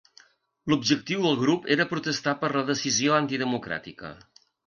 L'objectiu del grup era protestar per la decisió antidemocràtica.